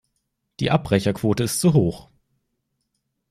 Die Abbrecherquote ist zu hoch.